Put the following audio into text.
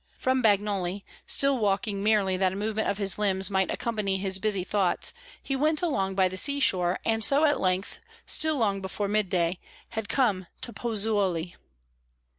From Bagnoli, still walking merely that a movement of his limbs might accompany his busy thoughts, he went along by the seashore, and so at length, still long before midday, had come to Pozzuoli.